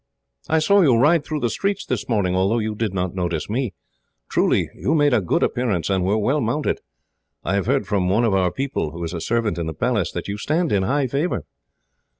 "I saw you ride through the streets this morning, although you did not notice me. Truly, you made a good appearance, and were well mounted. I have heard from one of our people, who is a servant in the Palace, that you stand in high favour."